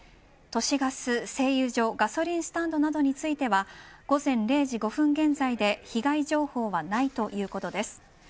都市ガス、製油所ガソリンスタンドなどについては午前０時５分現在で被害情報はないということです。